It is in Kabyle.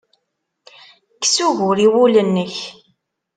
Kkes ugur i wul-nnek.